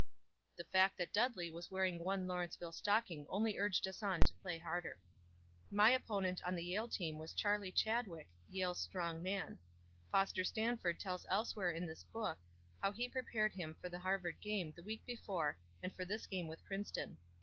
The fact that Dudley was wearing one Lawrenceville stocking only urged us on to play harder. My opponent on the Yale team was Charlie Chadwick, Yale's strong man. Foster Sanford tells elsewhere in this book how he prepared him for the Harvard game the week before and for this game with Princeton.